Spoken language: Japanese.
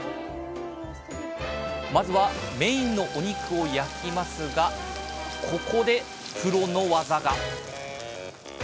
まずはメインのお肉を焼きますがここでプロの技が！